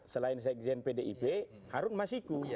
selain sekjen pdip harun masiku